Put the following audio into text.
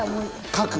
書く。